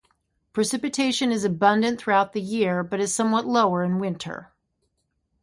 Precipitation is abundant throughout the year, but is somewhat lower in winter.